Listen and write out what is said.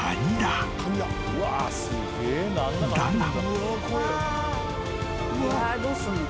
［だが］